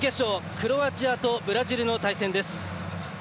クロアチアとブラジルの対戦です。